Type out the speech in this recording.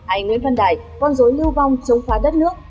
anh nguyễn văn đài con dối lưu vong chống phá đất nước